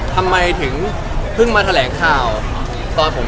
ทำไมถึงเพิ่งมาแถลงข่าวตอนผม